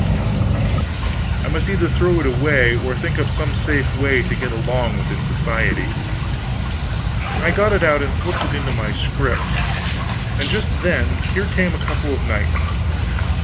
Yet I must either throw it away or think up some safe way to get along with its society. I got it out and slipped it into my scrip, and just then here came a couple of knights.